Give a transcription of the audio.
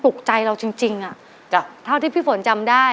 สุดตัวจริง